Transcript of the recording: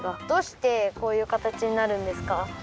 どうしてこういう形になるんですか？